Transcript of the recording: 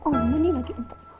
oh ini lagi